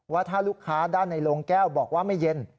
ว่าถ้าลูกค้าด้านในโรงแก้วบอกว่าไม่เย็น